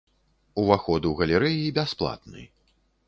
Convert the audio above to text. Уваход у галерэі бясплатны.